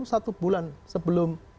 satu bulan sebelum